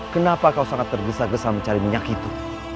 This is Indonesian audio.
kenapa kau sangat tergesa gesa mencari minyak itu